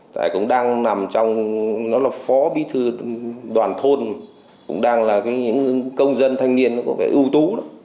tại cũng đang nằm trong nó là phó bí thư đoàn thôn cũng đang là những công dân thanh niên có vẻ ưu tú